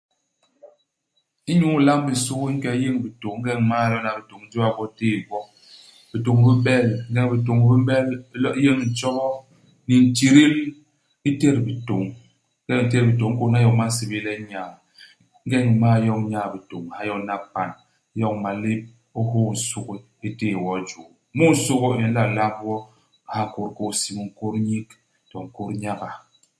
Inyu ilamb nsugi u nke u yéñ bitôñ. Ingeñ u m'mal lona bitôñ, u jôa gwo, u téé gwo. Bitôñ bi bel. Ingeñ bitôñ bi m'bel, u lo u yéñ ntjobo ni ntidil. U tét bitôñ. Ingeñ u ntét bitôñ, u nkôhna iyom ba nsébél le nyaa. Ingeñ u m'mal yoñ nyaa-bitôñ u ha yo hana i pan, u yoñ malép, u hôô nsugi. U téé wo i juu. Mu insugi u, u nla lamb wo, u ha nkôt u kôy-hisi, nkôt u nyik, to nkôt u nyaga.